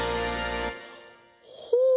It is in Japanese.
ほう！